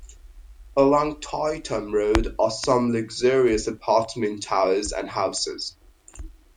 Along Tai Tam Road are some luxurious apartment towers and houses.